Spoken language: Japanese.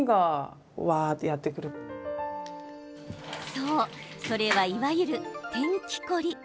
そう、それはいわゆる天気凝り。